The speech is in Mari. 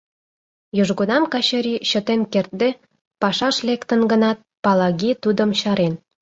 Южгунам Качыри, чытен кертде, пашаш лектын гынат, Палаги тудым чарен.